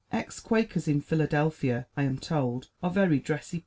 Ex Quakers in Philadelphia, I am told, are very dressy people.